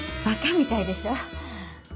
バカみたいでしょ？